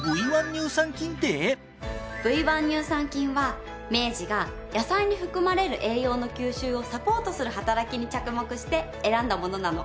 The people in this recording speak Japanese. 乳酸菌は明治が野菜に含まれる栄養の吸収をサポートする働きに着目して選んだものなの。